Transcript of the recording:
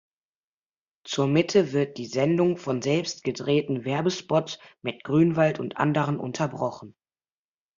Zur Mitte wird die Sendung von selbst gedrehten Werbespots mit Grünwald und anderen unterbrochen.